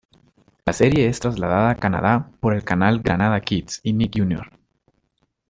La serie es trasladada a Canadá por el canal, Granada Kids, y Nick Jr.